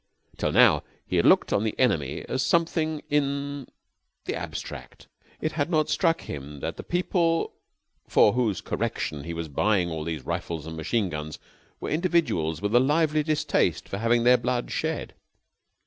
Till now he had looked on the enemy as something in the abstract. It had not struck him that the people for whose correction he was buying all these rifles and machine guns were individuals with a lively distaste for having their blood shed.